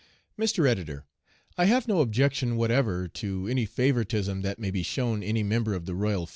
"Mr. Editor, I have no objection whatever to any favoritism that may be shown 'any member of the Royal.